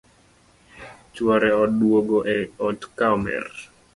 Chuore oduogo e ot ka omer